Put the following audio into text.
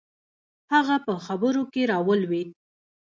هغه په خبرو کښې راولويد.